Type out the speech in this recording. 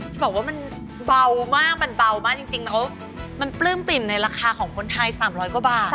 จะบอกว่ามันเบามากมันเบามากจริงแล้วมันปลื้มปิ่มในราคาของคนไทย๓๐๐กว่าบาท